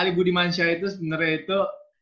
ari budimansyah itu sebenernya itu